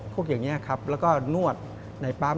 พวกอย่างนี้ครับแล้วก็นวดในปั๊ม